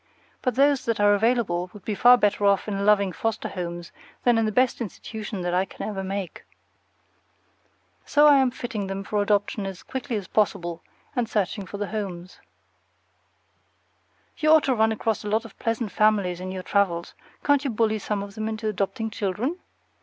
But those that are available would be far better off in loving foster homes than in the best institution that I can ever make. So I am fitting them for adoption as quickly as possible, and searching for the homes. You ought to run across a lot of pleasant families in your travels; can't you bully some of them into adopting children?